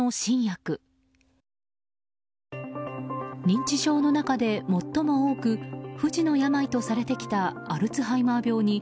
認知症の中で最も多く不治の病とされてきたアルツハイマー病に